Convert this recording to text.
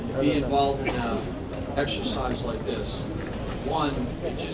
dan untuk datang ke sini ke indonesia dan berlibat dengan latihan seperti ini